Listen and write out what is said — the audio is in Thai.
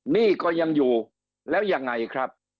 หนี้ก็ยังอยู่แล้วยังไงครับ